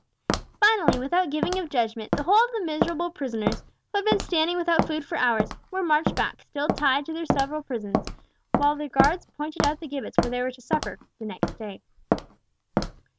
Finally, without giving of judgment, the whole of the miserable prisoners, who had been standing without food for hours, were marched back, still tied, to their several prisons, while their guards pointed out the gibbets where they were to suffer the next day.